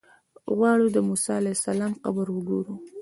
غواړو د موسی علیه السلام قبر وګورو.